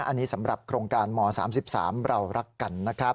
อันนี้สำหรับโครงการม๓๓เรารักกันนะครับ